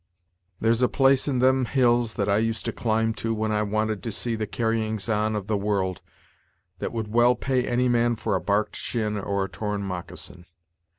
There's a place in them hills that I used to climb to when I wanted to see the carryings on of the world, that would well pay any man for a barked shin or a torn moccasin.